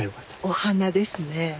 お花ですね。